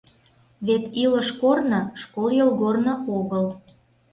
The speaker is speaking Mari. Вет илыш корно — школ йолгорно огыл.